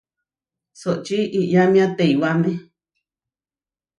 Soʼočí iyámia teiwáme.